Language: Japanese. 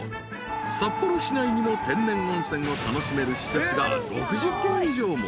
［札幌市内にも天然温泉を楽しめる施設が６０軒以上も］